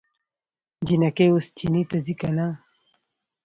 جينکۍ اوس چينې ته ځي که نه؟